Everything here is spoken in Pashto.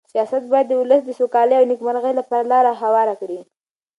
سیاست باید د ولس د سوکالۍ او نېکمرغۍ لپاره لاره هواره کړي.